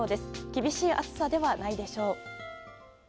厳しい暑さではないでしょう。